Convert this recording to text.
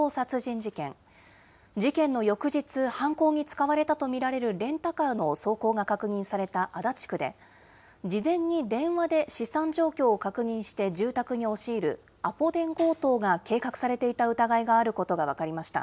事件の翌日、犯行に使われたと見られるレンタカーの走行が確認された足立区で、事前に電話で資産状況を確認して住宅に押し入るアポ電強盗が計画されていた疑いがあることが分かりました。